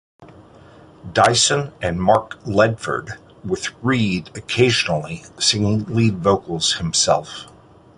Dyson and Mark Ledford, with Reid occasionally singing lead vocals himself.